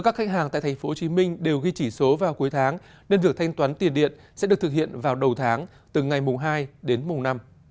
các khách hàng tại tp hcm đều ghi chỉ số vào cuối tháng nên việc thanh toán tiền điện sẽ được thực hiện vào đầu tháng từ ngày mùng hai đến mùng năm